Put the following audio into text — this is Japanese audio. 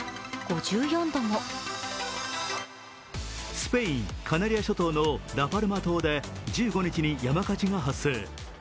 スペイン・カナリア諸島のラ・パルマ島で１５日に山火事が発生。